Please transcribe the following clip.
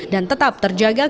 dan tetap terjaga keunggulan